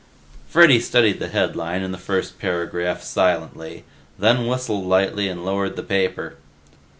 Freddy studied the headline and the first paragraph silently, then whistled lightly and lowered the paper.